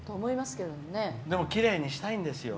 でもきれいにしたいんですよ。